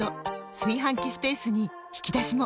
炊飯器スペースに引き出しも！